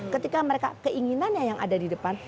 ketika mereka keinginannya yang ada di depan